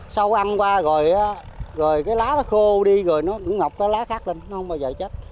sau ăn qua rồi rồi cái lá nó khô đi rồi nó ngọc cái lá khác lên nó không bao giờ chết